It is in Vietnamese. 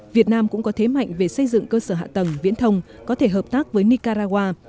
việt nam cũng có thế mạnh về xây dựng cơ sở hạ tầng viễn thông có thể hợp tác với nicaragua